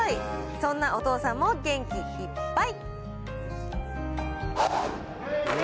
そんなお父さんも元気いっぱい。